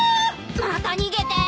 また逃げて。